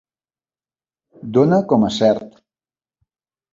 Dóna com a cert.